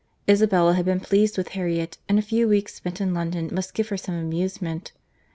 —Isabella had been pleased with Harriet; and a few weeks spent in London must give her some amusement.